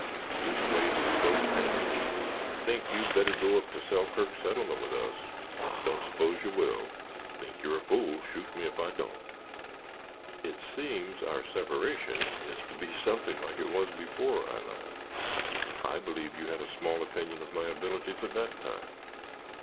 "Leastways it's close at hand. Think you'd better go up to Selkirk settlement with us; don't s'pose you will; think you're a fool, shoot me ef I don't, ogh!" "It seems our separation is to be something like it was before," I laughed. "I believe you had a small opinion of my abilities at that time."